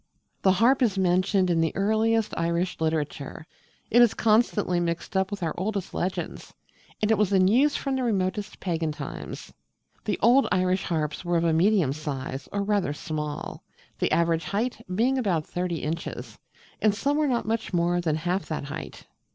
The Harp is mentioned in the earliest Irish literature: it is constantly mixed up with our oldest legends; and it was in use from the remotest pagan times. The old Irish harps were of a medium size, or rather small, the average height being about thirty inches: and some were not much more than half that height.